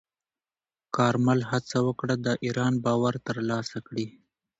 کارمل هڅه وکړه د ایران باور ترلاسه کړي.